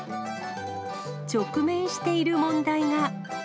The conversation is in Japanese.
直面している問題が。